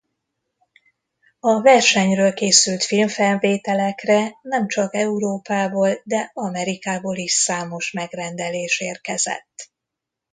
A versenyről készült filmfelvételekre nemcsak Európából de Amerikából is számos megrendelés érkezett.